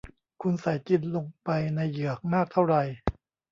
คุณใส่จินลงไปในเหยือกมากเท่าไร